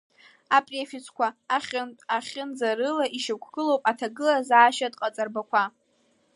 Апрефиксқәа -ахьынтә, -ахьынӡарыла ишьақәгылоу аҭагылазаашьатә ҟаҵарбақәа…